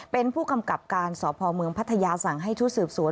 เป็นผู้กำกับการสพเมืองพัทยาสั่งให้ชุดสืบสวน